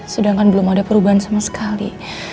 sedangkan belum ada perubahan sama sekali